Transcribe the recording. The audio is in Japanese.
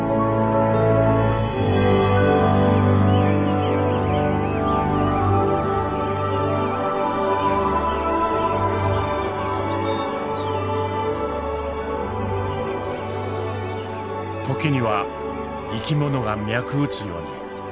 時には生き物が脈打つように。